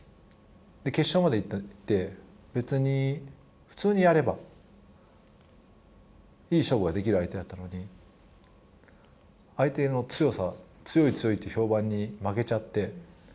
決勝まで行って別に普通にやればいい勝負ができる相手だったのに相手の強さ強い、強いっていう評判に負けちゃって。